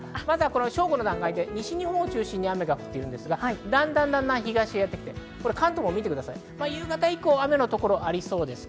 正午の段階で西日本を中心に雨が降っていますが、だんだん東へやってきて、関東も夕方以降、雨の所がありそうです。